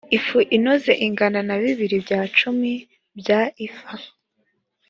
ifu inoze ingana na bibiri bya cumi bya efa